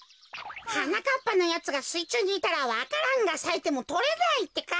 はなかっぱのやつがすいちゅうにいたらわか蘭がさいてもとれないってか。